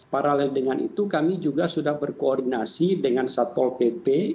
paralel dengan itu kami juga sudah berkoordinasi dengan satpol pp